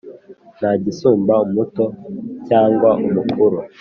Nta gisumba umuto cyangwa umukuru